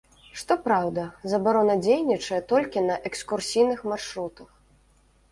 Што праўда, забарона дзейнічае толькі на экскурсійных маршрутах.